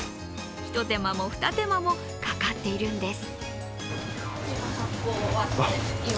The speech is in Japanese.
ひと手間もふた手間もかかっているんです。